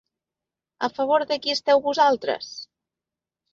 A favor de qui esteu vosaltres?